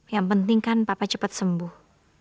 yang penting kan papa cepat sembuh